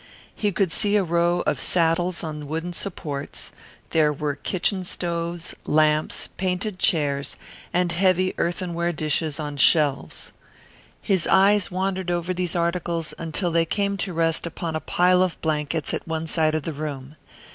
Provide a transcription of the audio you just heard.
He could see a row of saddles on wooden supports; there were kitchen stoves, lamps, painted chairs, and heavy earthenware dishes on shelves. His eyes wandered over these articles until they came to rest upon a pile of blankets at one side of the room.